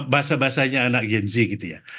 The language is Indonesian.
bahasa bahasanya anak genzi gitu ya